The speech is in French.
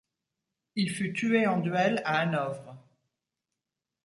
Il fut tué en duel à Hanovre.